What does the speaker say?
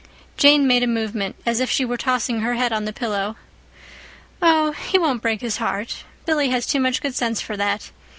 Jane made a movement as if she were tossing her head on her pillow. "Oh, he won't break his heart. Billy has too much good sense for that.